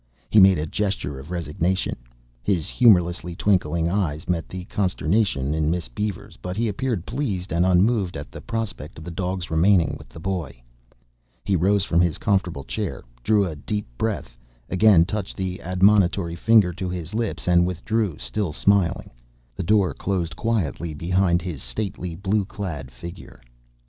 He made a gesture of resignation. His humorously twinkling eyes met the consternation in Miss Beaver's but he appeared pleased and unmoved at the prospect of the dog's remaining with the boy. He rose from his comfortable chair, drew a deep breath, again touched the admonitory finger to his lips and withdrew, still smiling. The door closed quietly behind his stately blue clad figure.